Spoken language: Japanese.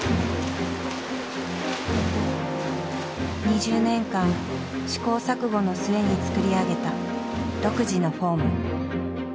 ２０年間試行錯誤の末に作り上げた独自のフォーム。